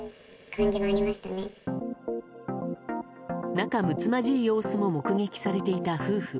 仲睦まじい様子も目撃されていた夫婦。